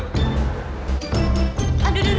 aduh aduh aduh aduh aduh aduh